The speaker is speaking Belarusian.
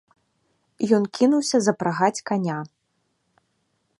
Ён кінуўся запрагаць каня.